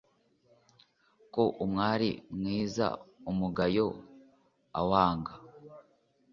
ko umwari mwiza umugayo awanga